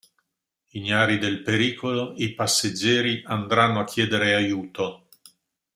Ignari del pericolo, i passeggeri andranno a chiedere aiuto.